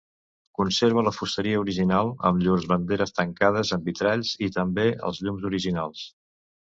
Conserva la fusteria original, amb llurs banderes tancades amb vitralls, i també els llums originals.